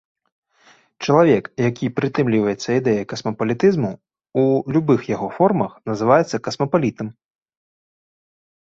Чалавек, які прытрымліваецца ідэі касмапалітызму ў любых яго формах называецца касмапалітам.